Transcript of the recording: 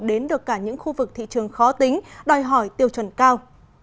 đến được cả những khu vực thị trường khó tính đòi hỏi tiêu chuẩn cao